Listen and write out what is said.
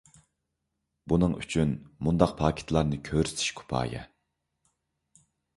بۇنىڭ ئۈچۈن مۇنداق پاكىتلارنى كۆرسىتىش كۇپايە.